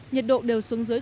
nhiệt độ đều xuống dưới